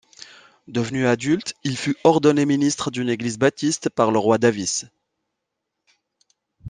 Devenu adulte, il fut ordonné ministre d’une église baptiste par le Roy Davis.